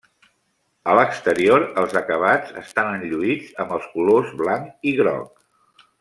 A l'exterior els acabats estan enlluïts amb els colors blanc i groc.